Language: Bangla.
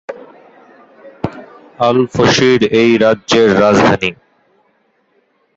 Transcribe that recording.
আল-ফশির এই রাজ্যের রাজধানী।